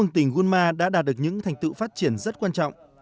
tỉnh gân ma đã đạt được những thành tựu phát triển rất quan trọng